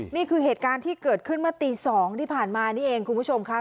นี่คือเหตุการณ์ที่เกิดขึ้นเมื่อตี๒ที่ผ่านมานี่เองคุณผู้ชมค่ะ